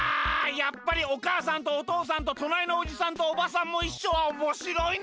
やっぱり「おかあさんとおとうさんととなりのおじさんとおばさんもいっしょ」はおもしろいな！